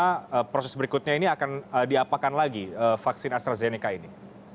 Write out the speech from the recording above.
bagaimana proses berikutnya ini akan diapakan lagi vaksin astrazeneca ini